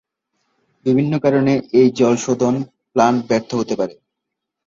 বিভিন্ন কারণে এই জল শোধন প্লান্ট ব্যর্থ হতে পারে।